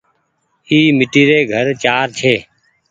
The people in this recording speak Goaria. اي ميٽي ري گهر چآر ڇي۔